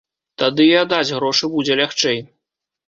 Тады і аддаць грошы будзе лягчэй.